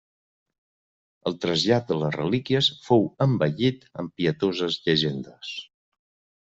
El trasllat de les relíquies fou embellit amb pietoses llegendes.